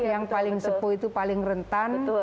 yang paling sepuh itu paling rentan